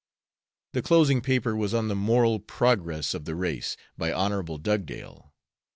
The closing paper was on the "Moral Progress of the Race," by Hon. Dugdale.